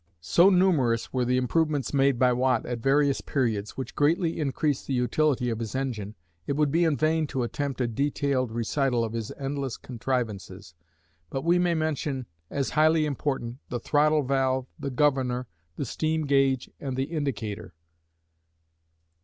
So numerous were the improvements made by Watt at various periods, which greatly increased the utility of his engine, it would be in vain to attempt a detailed recital of his endless contrivances, but we may mention as highly important, the throttle valve, the governor, the steam gauge and the indicator.